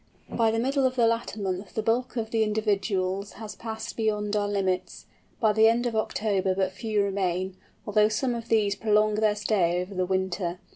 By the middle of the latter month the bulk of the individuals has passed beyond our limits; by the end of October but few remain, although some of these prolong their stay over the winter.